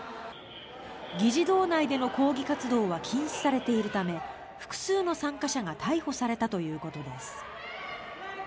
議事堂内での抗議活動は禁止されているため複数の参加者が逮捕されたということです。